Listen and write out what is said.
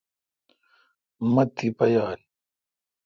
مہ تیپہ یال۔